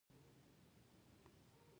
د کابل په بګرامي کې د ګرانیټ نښې شته.